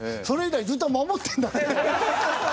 それ以来、ずっと守ってんだって。